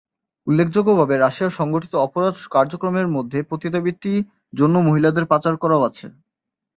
উল্লেখযোগ্যভাবে, রাশিয়ার সংগঠিত অপরাধ কার্যক্রমের মধ্যে পতিতাবৃত্তি জন্য মহিলাদের পাচার করাও আছে।